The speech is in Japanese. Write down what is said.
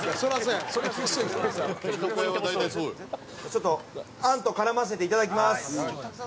ちょっとあんと絡ませていただきます。